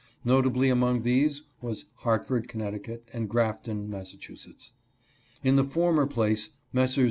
Notably among these was Hartford, Conn., and Grafton, Mass. In the former place Messrs.